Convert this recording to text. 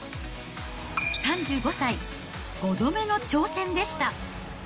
３５歳、５度目の挑戦でした。